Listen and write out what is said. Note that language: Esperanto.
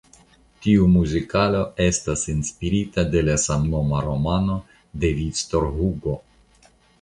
Tiu muzikalo estas inspirita de la samnoma romano de Victor Hugo.